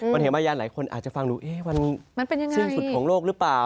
วันเหมายันหลายคนอาจจะฟังดูวันซึ่งสุดของโลกหรือเปล่า